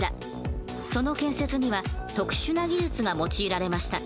その建設には特殊な技術が用いられました。